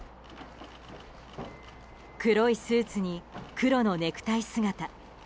黒いスーツに黒のネクタイ姿。